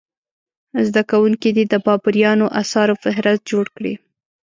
زده کوونکي دې د بابریانو اثارو فهرست جوړ کړي.